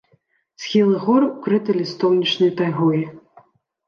Схілы гор укрыты лістоўнічнай тайгой.